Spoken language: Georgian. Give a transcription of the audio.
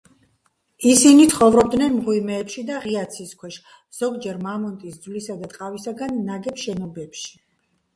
ისინი ცხოვრობდნენ მღვიმეებში და ღია ცის ქვეშ, ზოგჯერ მამონტის ძვლისა და ტყავისაგან ნაგებ შენობებში.